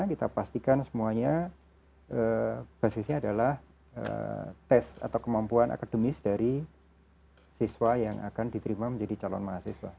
kita pastikan semuanya basisnya adalah tes atau kemampuan akademis dari siswa yang akan diterima menjadi calon mahasiswa